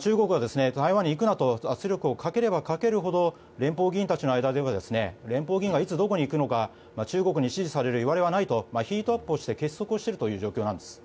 中国が台湾に行くなと圧力をかければかけるほど連邦議員たちの間では連邦議員がいつどこに行くのか中国に指示されるいわれはないとヒートアップをして結束をしている状況なんです。